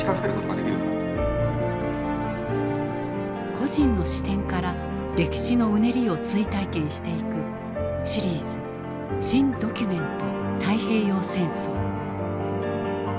個人の視点から歴史のうねりを追体験していく「シリーズ新・ドキュメント太平洋戦争」。